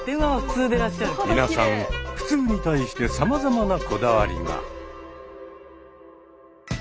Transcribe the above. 皆さん普通に対してさまざまなこだわりが。